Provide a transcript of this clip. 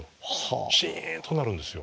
シンとなるんですよ